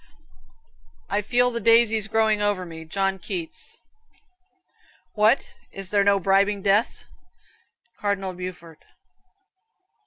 "I feel the daisies growing over me." John Keats. "What, is there no bribing death?" Cardinal Beaufort.